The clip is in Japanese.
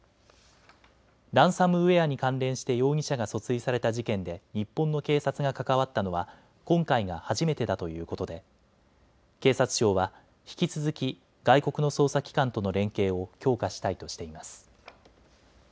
ランサムウエアに関連して容疑者が訴追された事件で日本の警察が関わったのは今回が初めてだということで警察庁は引き続き外国の捜査機関との連携を強化したいとしています。